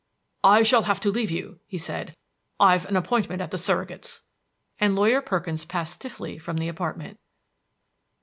"I shall have to leave you," he said; "I've an appointment at the surrogate's." And Lawyer Perkins passed stiffly from the apartment.